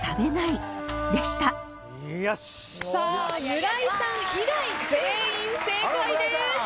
村井さん以外全員正解です。